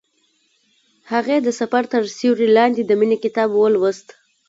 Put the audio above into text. هغې د سفر تر سیوري لاندې د مینې کتاب ولوست.